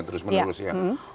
terus menerus ya